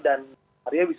dan arya bisa